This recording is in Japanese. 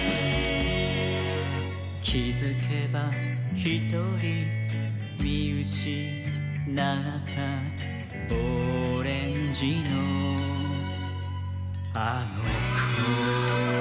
「きづけばひとりみうしなった」「オレンジのあのこ」